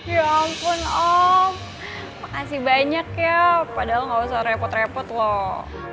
ya ampun oh makasih banyak ya padahal gak usah repot repot loh